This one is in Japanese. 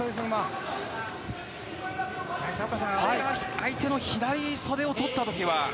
相手の左袖をとった時は。